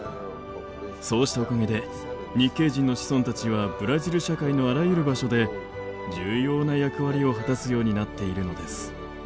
そうしたおかげで日系人の子孫たちはブラジル社会のあらゆる場所で重要な役割を果たすようになっているのです。